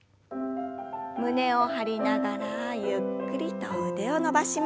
胸を張りながらゆっくりと腕を伸ばしましょう。